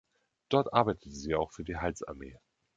Dort arbeitete sie auch für die Heilsarmee.